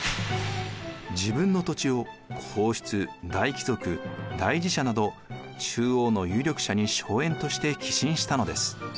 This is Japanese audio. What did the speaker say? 自分の土地を皇室・大貴族大寺社など中央の有力者に荘園として寄進したのです。